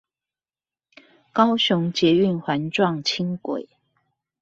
高雄捷運環狀輕軌